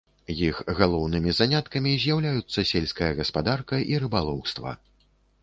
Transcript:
Іх галоўнымі заняткамі з'яўляюцца сельская гаспадарка і рыбалоўства.